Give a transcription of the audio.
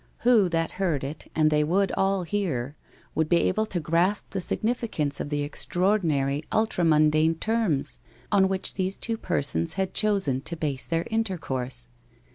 Who, that heard it, and they would all hear, would be able to grasp the significance of the extraordinary ultra mundane terms on which these two persons had chosen to base their inter course?